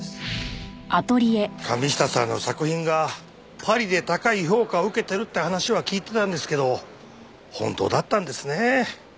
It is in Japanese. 神下さんの作品がパリで高い評価を受けてるって話は聞いてたんですけど本当だったんですねえ。